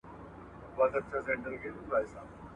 عبرت زړه روښانه کوي.